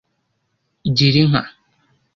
Girinka